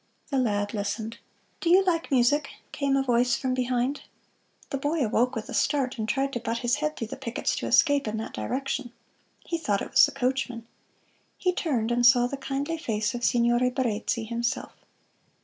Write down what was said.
The lad listened. "Do you like music?" came a voice from behind. The boy awoke with a start, and tried to butt his head through the pickets to escape in that direction. He thought it was the coachman. He turned and saw the kindly face of Signore Barezzi himself.